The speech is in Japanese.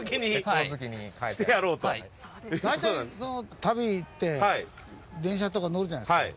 大体旅へ行って電車とか乗るじゃないですか。